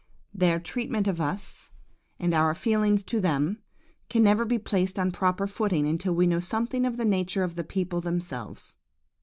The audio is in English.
Their treatment of us, and our feelings to them, can never be placed on a proper footing, until we know something of the nature of the people themselves.